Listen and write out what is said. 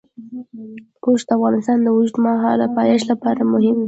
اوښ د افغانستان د اوږدمهاله پایښت لپاره مهم دی.